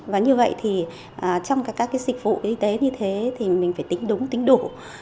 và như vậy thì trong các cái dịch vụ y tế như thế thì mình phải tính đúng tính đủ